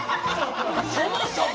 そもそも？